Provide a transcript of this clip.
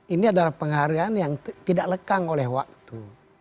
ini adalah penghargaan yang tidak lekang oleh waktu